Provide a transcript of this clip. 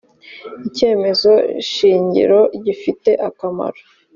icyemezo shingiro gifite akamaro